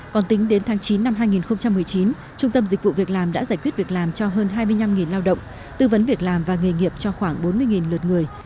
còn tính đến tháng chín năm hai nghìn một mươi chín trung tâm dịch vụ việc làm đã giải quyết việc làm cho hơn hai mươi năm lao động tư vấn việc làm và nghề nghiệp cho khoảng bốn mươi lượt người